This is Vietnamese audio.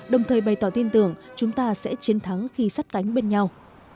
đồng thời bày tỏ tin tưởng chúng ta sẽ chiến thắng khi sát cánh bên nhau